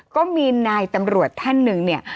ก็มีนายตำรวจท่านหนึ่ง